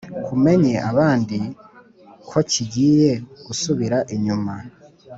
kumenye abandi ko kigiye gusubira inyuma